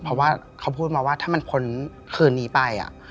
เพราะว่าเขาพูดมาว่าถ้ามันพ้นคืนนี้ไป